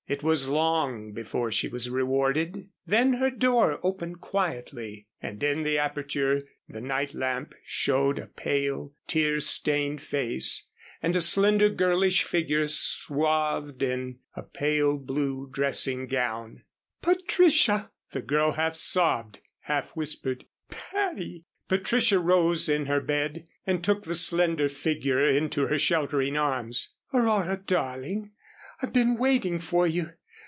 It was long before she was rewarded. Then her door opened quietly, and in the aperture the night lamp showed a pale, tear stained face and a slender, girlish figure swathed in a pale blue dressing gown. "Patricia!" the girl half sobbed, half whispered, "Patty!" Patricia rose in her bed and took the slender figure into her sheltering arms. "Aurora darling. I've been waiting for you.